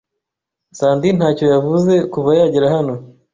Sandy ntacyo yavuze kuva yagera hano.